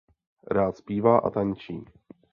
Rád zpívá a tančí.